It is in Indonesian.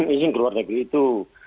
izin keluar dari itu